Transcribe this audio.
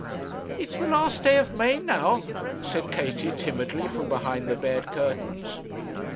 'It's the last day of May now,' said Katie timidly, from behind the bed curtains.